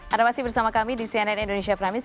ada masih bersama kami di cnn indonesia prime news